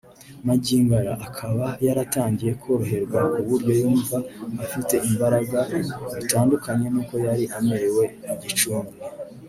magingo aya akaba yaratangiye koroherwa ku buryo yumva afite imbaraga bitandukanye nuko yari amerewe i Gicumbi